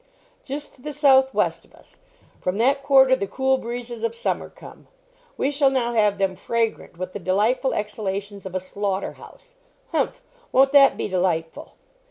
"Just to the south west of us; from that quarter the cool breezes of summer come. We shall now have them fragrant with the delightful exhalations of a slaughter house. Humph! Won't that be delightful?